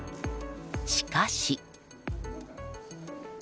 しかし。